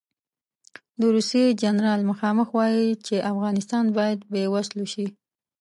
د روسیې جنرال مخامخ وایي چې افغانستان باید بې وسلو شي.